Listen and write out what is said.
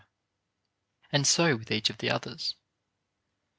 and so with each of the others.